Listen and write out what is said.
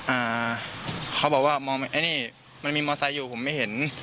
อ่าเขาบอกว่ามองไอ้นี่มันมีมอไซค์อยู่ผมไม่เห็น